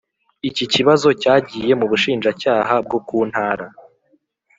iki kibazo cyagiye mu Bushinjacyaha bwo ku ntara